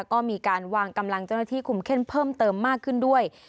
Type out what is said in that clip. ก็มีการวางกำลังเจ้าหน้าที่คุมเข้มเพิ่มเติมมากขึ้นด้วย